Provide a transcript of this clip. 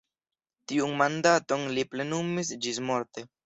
Tiun mandaton li plenumis ĝismorte.